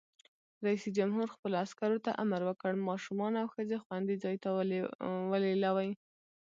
رئیس جمهور خپلو عسکرو ته امر وکړ؛ ماشومان او ښځې خوندي ځای ته ولېلوئ!